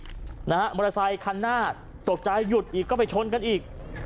มอเตอร์ไซคันหน้าตกใจหยุดอีกก็ไปชนกันอีก